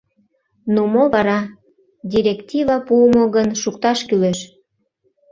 — Ну, мо вара, директива пуымо гын, шукташ кӱлеш.